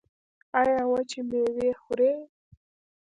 ایا وچې میوې خورئ؟